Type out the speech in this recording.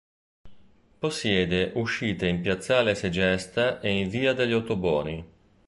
Possiede uscite in piazzale Segesta e in via degli Ottoboni.